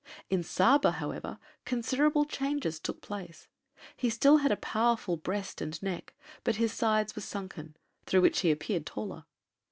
In Saba, however, considerable changes took place. He still had a powerful breast and neck, but his sides were sunken, through which he appeared taller.